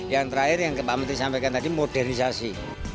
yang terakhir yang pak menteri sampaikan tadi modernisasi